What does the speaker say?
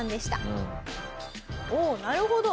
おおなるほど。